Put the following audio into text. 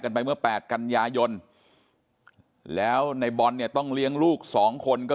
ไปเมื่อ๘กันยายนแล้วในบอลเนี่ยต้องเลี้ยงลูกสองคนก็